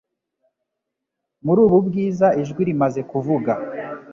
muri ubu bwiza ijwi rimaze kuvuga